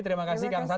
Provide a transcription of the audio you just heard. terima kasih kang saan